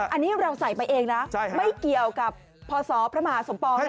อันนี้เราใส่ไปเองนะไม่เกี่ยวกับพศพระมหาสมปอง